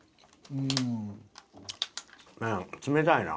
なんや冷たいな。